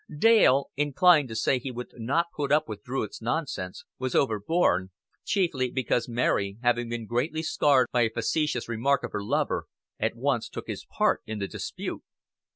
Dale, inclined to say he would not put up with Druitt's nonsense, was overborne; chiefly because Mary, having been greatly scared by a facetious remark of her lover, at once took his part in the dispute.